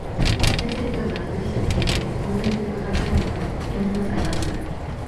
純粋持続が自己自身を否定して自己矛盾的に空間的なる所に、現実の世界があるのである。